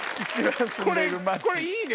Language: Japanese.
これいいね！